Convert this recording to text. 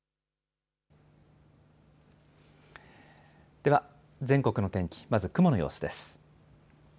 では、全国の天気、まず雲の様子です。